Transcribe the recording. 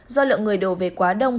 do lượng người đổ về quá đông